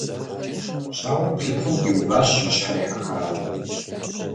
Щауэр блыпкъым къиуващ и щхьэр ехьэхауэ.